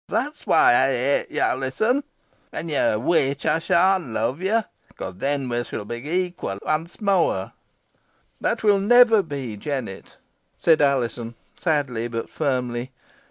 That's why I hate yo, Alizon. When yo are a witch ey shan love yo, for then we shan be equals once more." "That will never be, Jennet," said Alizon, sadly, but firmly.